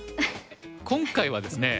今回はですね